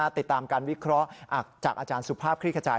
ติดตามการวิเคราะห์จากอาจารย์สุภาพคลิกขจาย